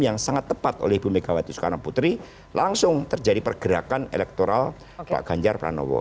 yang sangat tepat oleh ibu megawati soekarno putri langsung terjadi pergerakan elektoral pak ganjar pranowo